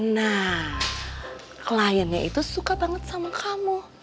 nah kliennya itu suka banget sama kamu